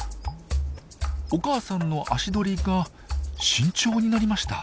お母さんの足取りが慎重になりました。